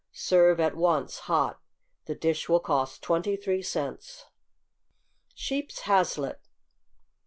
Serve at once hot. The dish will cost twenty three cents. =Sheep's Haslet.